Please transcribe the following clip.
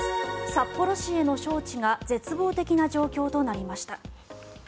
札幌市への招致が絶望的な状況となりました。